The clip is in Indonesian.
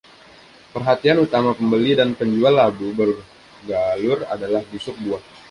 Perhatian utama pembeli dan penjual labu bergalur adalah busuk buah.